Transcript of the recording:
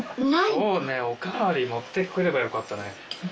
そうねお代わり持ってくればよかったね